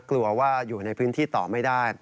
กลัวว่าอยู่ในพื้นที่ต่อไม่ได้